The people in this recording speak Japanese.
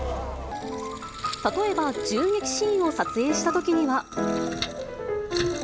例えば、銃撃シーンを撮影したときには。